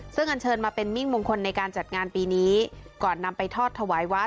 ซึ่งอันเชิญมาเป็นมิ่งมงคลในการจัดงานปีนี้ก่อนนำไปทอดถวายวัด